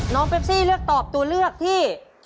น้องเปปซี่เลือกตอบตัวเลือกที่